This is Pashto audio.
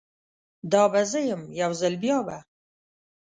دا به زه یم، یوځل بیابه